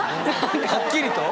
はっきりと？